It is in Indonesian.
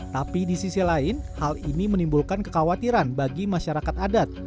tapi di sisi lain hal ini menimbulkan kekhawatiran bagi masyarakat adat